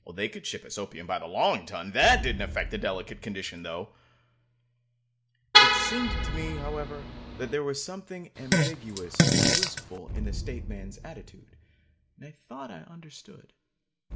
They could ship us opium by the long ton that didn't affect the delicate condition, though. It seemed to me, however, that there was something ambiguous and wistful in the State man's attitude, and I thought I understood.